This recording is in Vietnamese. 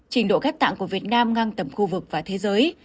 trình độ ghép tạng của việt nam ngang tầm khu vực và thế giới